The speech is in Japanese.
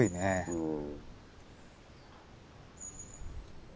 うん。